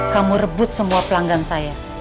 kamu rebut semua pelanggan saya